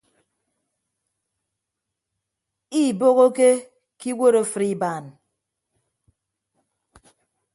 Iibohoke ke iwuot afịt ibaan.